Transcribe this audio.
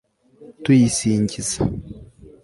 tuyisingiza